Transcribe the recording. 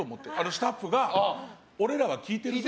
スタッフが俺らは聴いてるぞ？